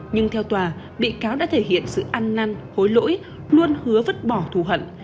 nhưng theo tòa bị cáo đã thể hiện sự ăn năn hối lỗi luôn hứa vứt bỏ thù hận